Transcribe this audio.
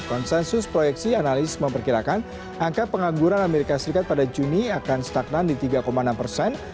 konsensus proyeksi analis memperkirakan angka pengangguran amerika serikat pada juni akan stagnan di tiga enam persen